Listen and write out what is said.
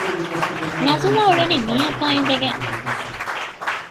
ނަޒުލާ އުޅެނީ މީހަކާ އިނދެގެން